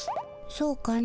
そうかの。